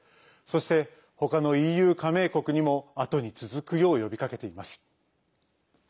そして、ほかのＥＵ加盟国にもあとに続くよう呼びかけています。